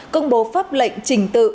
công bố pháp lệnh trình tự